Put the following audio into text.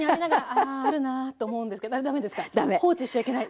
放置しちゃいけない。